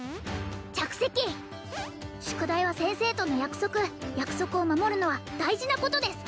着席宿題は先生との約束約束を守るのは大事なことです